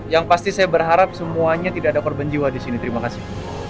yang pasti saya berharap semuanya tidak ada korban jiwa di sini terima kasih